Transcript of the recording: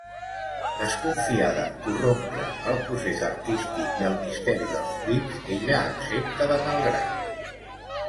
Desconfiada en corrompre el procés artístic i el misteri dels clips, ella accepta de mal grat.